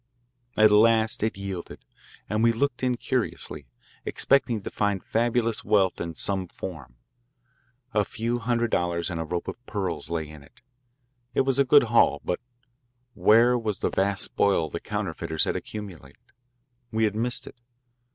At last it yielded, and we looked in curiously, expecting to find fabulous wealth in some form. A few hundred dollars and a rope of pearls lay in it. It was a good "haul," but where was the vast spoil the counterfeiters had accumulated? We had missed it.